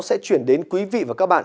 sẽ truyền đến quý vị và các bạn